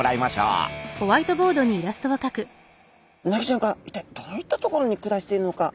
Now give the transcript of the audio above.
うなぎちゃんが一体どういった所に暮らしているのか。